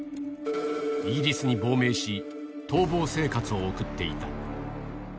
イギリスに亡命し、逃亡生活を送っていた。